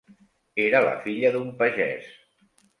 Era la filla d'un pagès.